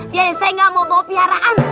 biarin saya gak mau bawa piharan